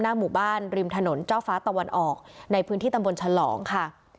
หมู่บ้านริมถนนเจ้าฟ้าตะวันออกในพื้นที่ตำบลฉลองค่ะ